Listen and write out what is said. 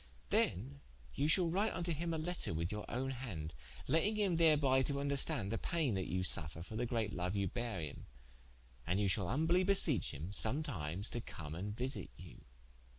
Then you shall write vnto him a letter with your owne hande, letting him therby to vnderstande the paine that you suffer for the great loue you beare him, and ye shal humblie beseech him, some times to come and visite you.